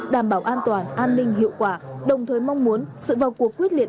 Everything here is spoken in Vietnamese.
đảm bảo an toàn an ninh hiệu quả đồng thời mong muốn sự vào cuộc quyết liệt